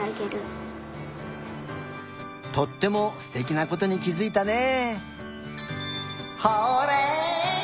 とってもすてきなことにきづいたね。